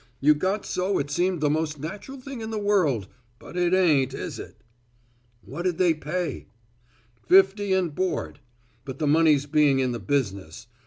You got so it seemed the most natural thing in the world, but it ain't, is it!" "What'd they pay!" "Fifty and board. But the money's being in the business.